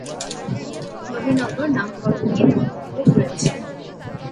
নবীনগর নামকরণ নিয়ে মত বিভেদ রয়েছে।